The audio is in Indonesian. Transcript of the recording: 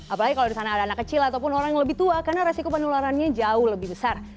apalagi kalau di sana ada anak kecil ataupun orang yang lebih tua karena resiko penularannya jauh lebih besar